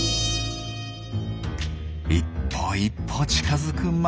一歩一歩近づくマヒリ。